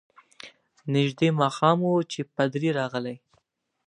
نژدې ماښام وو چي پادري راغلی.